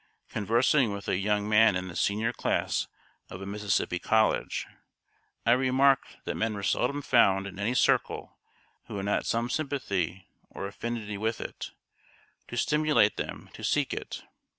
Conversing with a young man in the senior class of a Mississippi college, I remarked that men were seldom found in any circle who had not some sympathy or affinity with it, to stimulate them to seek it.